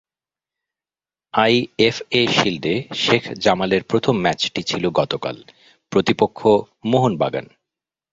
IFA শিল্ডে শেখ জামালের প্রথম ম্যাচটি ছিল গতকাল, প্রতিপক্ষ মোহনবাগান।